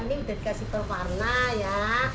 ini udah dikasih pewarna ya